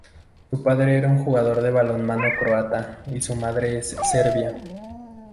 Su padre era un jugador de balonmano croata y su madre es serbia.